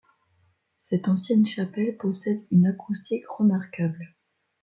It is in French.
Cette ancienne chapelle possède une acoustique remarquable.